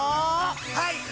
はい！